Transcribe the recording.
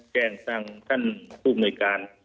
แก้งฟังคุณธุมเงยการ